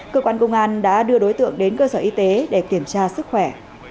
cơ quan công an đã đưa đối tượng đến cơ sở y tế để kiểm tra sức khỏe